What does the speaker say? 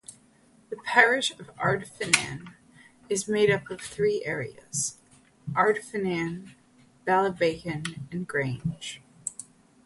The parish of Ardfinnan is made up of three areas: Ardfinnan, Ballybacon, and Grange.